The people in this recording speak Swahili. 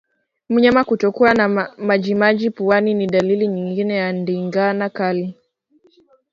Mnyama kutokwa na majimaji puani ni dalili nyingine ya ndigana kali